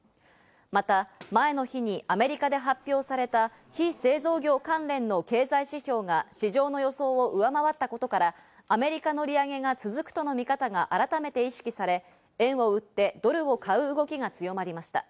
また前の日にアメリカで発表された非製造業関連の経済指標が市場の予想を上回ったことから、アメリカの利上げが続くとの見方が改めて意識され、円を売ってドルを買う動きが強まりました。